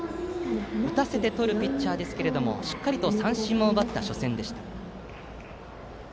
打たせてとるピッチャーですがしっかりと三振も奪った初戦でした。